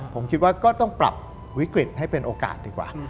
ผมคิดว่าก็ต้องปรับวิกฤตให้เป็นโอกาสดีกว่า